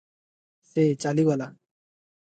ସେ ଚାଲିଗଲା ।